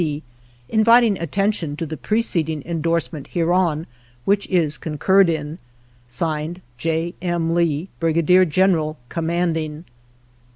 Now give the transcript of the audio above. C, inviting at tention to the preceding endorsement hereon, which is concurred in. (Signed) J. M. Lee, Brigadier General, Commanding.